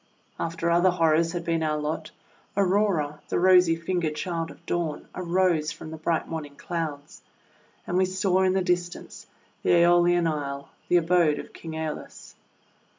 After other horrors had been our lot, Aurora, the rosy fingered child of Dawn, arose from the bright morning Clouds, and we saw in the dis tance the ^Eolian Isle, the abode of King ^Eolus.